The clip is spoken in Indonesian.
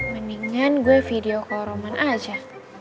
mendingan gue video co roman aja